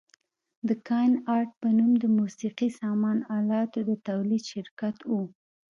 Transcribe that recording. د کاین ارټ په نوم د موسقي سامان الاتو د تولید شرکت و.